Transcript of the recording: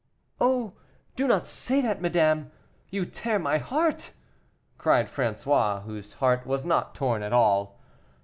"Oh, do not say that, madame, you tear my heart!" cried François, whose heart was not torn at all.